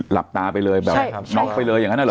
หลับตาไปเลยแบบน็อกไปเลยอย่างนั้นเห